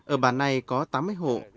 ở bản này có tám mươi hộ